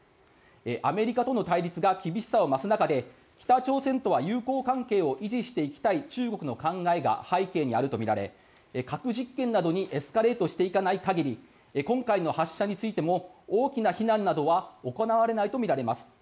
アメリカとの対立が厳しさを増す中で北朝鮮とは友好関係を維持していきたい中国の考えが背景にあるとみられ核実験などにエスカレートしていかない限り今回の発射についても大きな非難などは行わないとみられます。